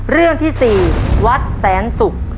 เรื่องที่๔วัดแสนศุกร์